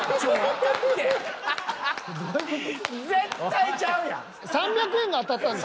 絶対ちゃうやん。